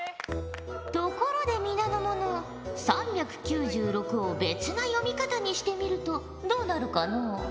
ところで皆の者３９６を別な読み方にしてみるとどうなるかのう？という。